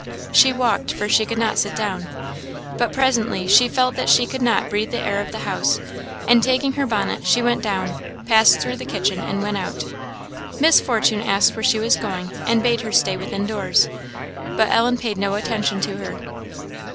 She walked, for she could not sit down; but presently she felt that she could not breathe the air of the house; and taking her bonnet, she went down, passed through the kitchen, and went out. Miss Fortune asked where she was going, and bade her stay within doors, but Ellen paid no attention to her.